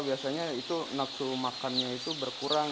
biasanya itu nafsu makannya itu berkurang